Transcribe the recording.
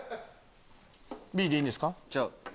Ｂでいいんですか？